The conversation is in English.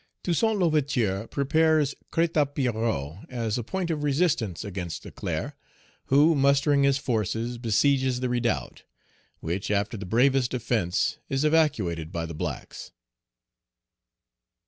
Toussaint L'Ouverture prepares Crête à Pierrot as a point of resistance against Leclerc, who, mustering his forces, besieges the redoubt, which, after the bravest defence, is evacuated by the blacks.